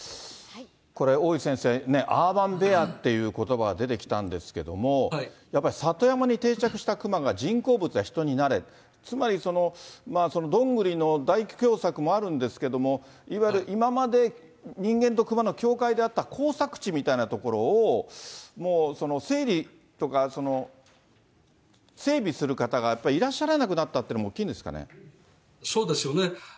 これ、大井先生、アーバンベアっていうことばが出てきたんですけども、やっぱり里山に定着したクマが人工物や人に慣れ、つまり、ドングリの大凶作もあるんですけれども、いわゆる今まで人間とクマの境界であった耕作地みたいな所を、もう整理とか、整備する方がいらっしゃらなくなったというのが大そうですよね。